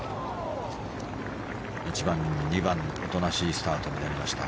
１番、２番おとなしいスタートになりました。